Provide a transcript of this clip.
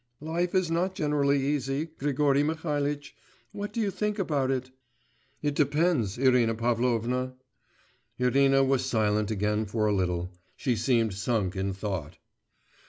'Life is not generally easy, Grigory Mihalitch; what do you think about it?' 'It depends, Irina Pavlovna.' Irina was silent again for a little; she seemed sunk in thought.